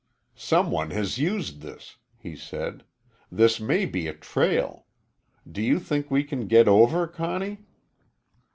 "Some one has used this," he said. "This may be a trail. Do you think we can get over, Conny?"